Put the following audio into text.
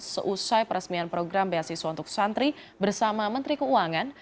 seusai peresmian program beasiswa untuk santri bersama menteri keuangan